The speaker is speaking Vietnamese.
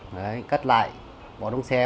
đấy cắt lại bỏ trong xe